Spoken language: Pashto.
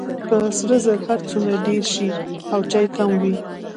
که سره زر هر څومره ډیر شي او چای کم وي.